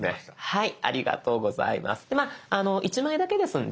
はい。